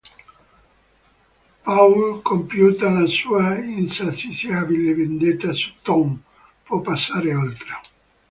Paul, compiuta la sua insaziabile vendetta su Tom, può passare oltre.